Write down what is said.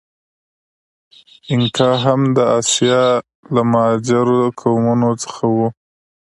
اینکا هم د آسیا له مهاجرو قومونو څخه و.